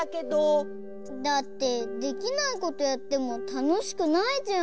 だってできないことやってもたのしくないじゃん。